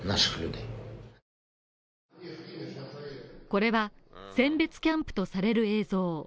これは選別キャンプとされる映像。